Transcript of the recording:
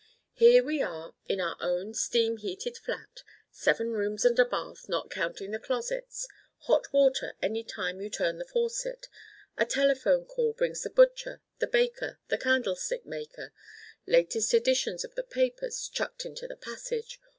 "Here we are in our own steam heated flat—seven rooms and a bath, not counting the closets—hot water any time you turn the faucet; a telephone call brings the butcher, the baker, the candlestick maker; latest editions of the papers chucked into the passage!